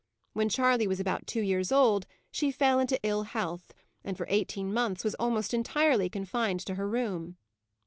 When Charley was about two years old she fell into ill health, and for eighteen months was almost entirely confined to her room.